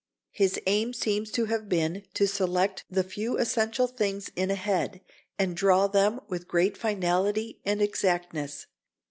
His aim seems to have been to select the few essential things in a head and draw them with great finality and exactness.